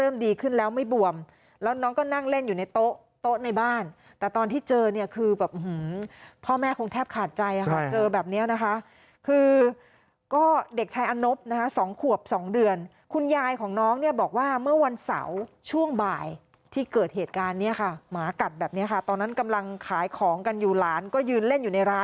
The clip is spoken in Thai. ดีขึ้นแล้วไม่บวมแล้วน้องก็นั่งเล่นอยู่ในโต๊ะโต๊ะในบ้านแต่ตอนที่เจอเนี่ยคือแบบพ่อแม่คงแทบขาดใจค่ะเจอแบบนี้นะคะคือก็เด็กชายอนบนะคะสองขวบสองเดือนคุณยายของน้องเนี่ยบอกว่าเมื่อวันเสาร์ช่วงบ่ายที่เกิดเหตุการณ์เนี่ยค่ะหมากัดแบบนี้ค่ะตอนนั้นกำลังขายของกันอยู่หลานก็ยืนเล่นอยู่ในร้าน